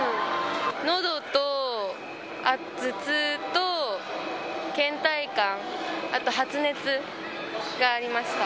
のどと頭痛とけん怠感、あと発熱がありました。